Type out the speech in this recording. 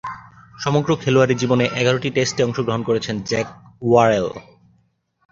সমগ্র খেলোয়াড়ী জীবনে এগারোটি টেস্টে অংশগ্রহণ করেছেন জ্যাক ওরেল।